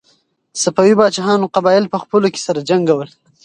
صفوي پاچاهانو قبایل په خپلو کې سره جنګول.